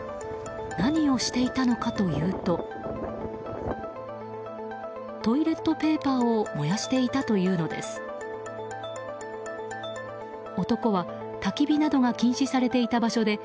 何をしていたのかというとトイレットペーパーを燃やしていたというのです。